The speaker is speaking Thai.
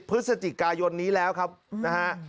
พฤศจิกายนนี้แล้วครับนะฮะ